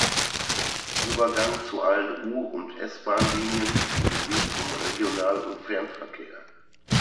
Übergang zu allen U- und S-Bahnlinien sowie zum Regional- und Fernverkehr.